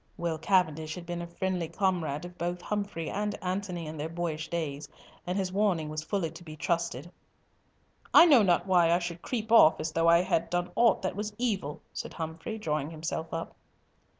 Will Cavendish had been a friendly comrade of both Humfrey and Antony in their boyish days, and his warning was fully to be trusted. "I know not why I should creep off as though I had done aught that was evil," said Humfrey, drawing himself up.